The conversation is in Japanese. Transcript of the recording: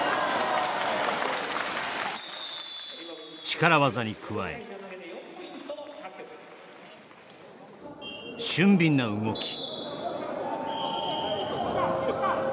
力技に加え俊敏な動き